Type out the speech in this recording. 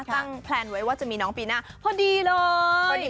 แพลนไว้ว่าจะมีน้องปีหน้าพอดีเลย